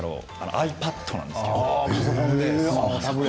ｉＰａｄなんですけれどもね。